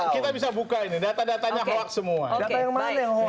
kita bisa buka ini data datanya hoax semua